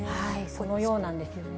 そのようなんですよね。